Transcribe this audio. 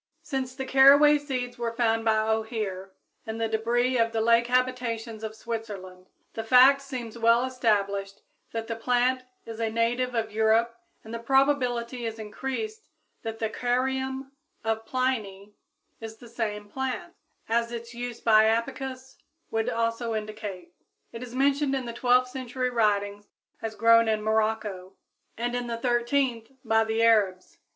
[Illustration: Caraway for Comfits and Birthday Cakes] Since caraway seeds were found by O'Heer in the debris of the lake habitations of Switzerland, the fact seems well established that the plant is a native of Europe and the probability is increased that the Careum of Pliny is this same plant, as its use by Apicus would also indicate. It is mentioned in the twelfth century writings as grown in Morocco, and in the thirteenth by the Arabs.